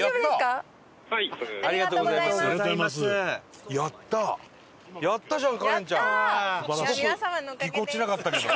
伊達：ぎこちなかったけど。